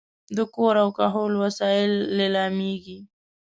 د کور او کهول وسایل لیلامېږي.